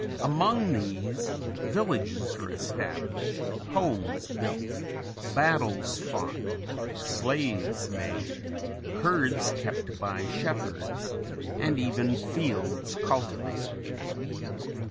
Among these villages are established, homes built, battles fought, slaves made, herds kept by shepherds, and even fields cultivated.